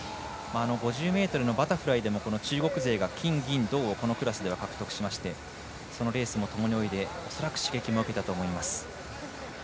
５０ｍのバタフライでも中国勢が金、銀、銅とこのクラスでは獲得しましてそのレースもともに泳いで恐らく刺激も受けたと思います。